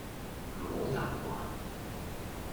唔好習慣